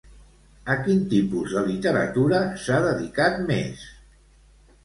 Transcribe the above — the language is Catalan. A quin tipus de literatura s'ha dedicat més?